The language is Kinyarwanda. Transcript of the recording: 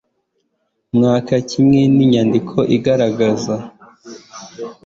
mwaka kimwe n inyandiko igaragaza